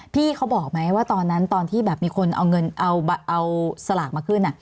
พี่เขาบอกไหมว่าตอนนั้นตอนที่แบบมีคนเอาเงินเอาสลากมาขึ้น